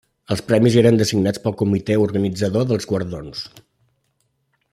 Els premis eren designats pel Comitè Organitzador dels guardons.